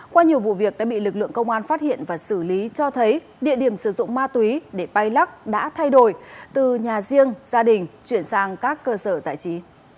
qua nhiều vụ việc đã bị lực lượng công an phát hiện và xử lý cho thấy địa điểm sử dụng ma túy để bay lắc đã thay đổi từ nhà riêng gia đình chuyển sang các cơ sở giải trí